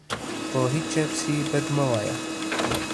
په هیچا پسي بد مه وایه